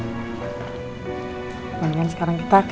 kemana kan sekarang kita ke